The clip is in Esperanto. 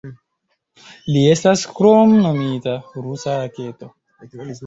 Li estas kromnomita "Rusa Raketo".